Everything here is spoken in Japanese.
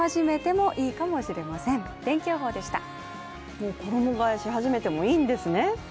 もう衣がえし始めてもいいんですね。